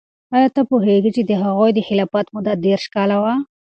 آیا ته پوهیږې چې د هغوی د خلافت موده دیرش کاله وه؟